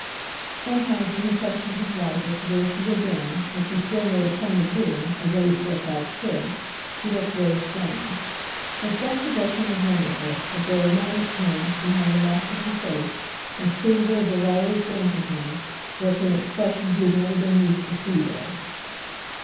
Sometimes when he questioned his wife as to where she had been, which he still made a point of doing, as every Forsyte should, she looked very strange. Her self possession was wonderful, but there were moments when, behind the mask of her face, inscrutable as it had always been to him, lurked an expression he had never been used to see there.